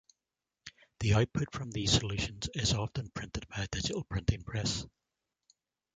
The output from these solutions is often printed by a digital printing press.